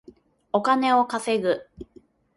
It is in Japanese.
お金を稼ぐ